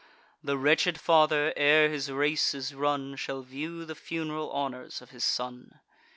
The wretched father, ere his race is run, Shall view the fun'ral honours of his son.